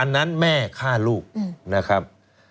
อันนั้นแม่ฆ่าลูกครับ